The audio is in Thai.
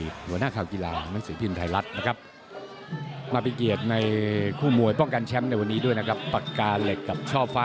ตามขออยก๒ครับ